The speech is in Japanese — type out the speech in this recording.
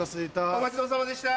お待ちどおさまでした。